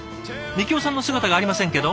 樹生さんの姿がありませんけど。